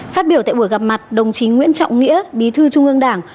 phát biểu tại buổi gặp mặt đồng chí nguyễn trọng nghĩa bí thư trung ương đảng